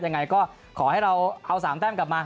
ยังไงก็ขอให้เราเอา๓แต้มกลับมา